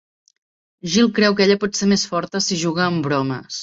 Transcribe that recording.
Jill creu que ella por ser més forta si juga amb bromes.